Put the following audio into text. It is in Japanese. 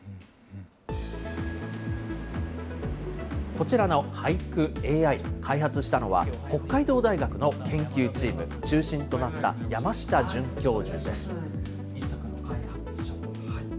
こちらの俳句ＡＩ、開発したのは、北海道大学の研究チーム、中心となった山下准教授です。